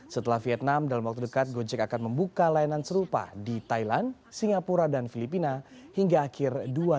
setelah vietnam dalam waktu dekat gojek akan membuka layanan serupa di thailand singapura dan filipina hingga akhir dua ribu dua puluh